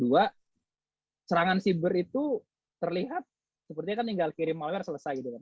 dua serangan siber itu terlihat seperti tinggal kirim malware selesai